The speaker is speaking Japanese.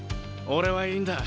俺はいいんだ。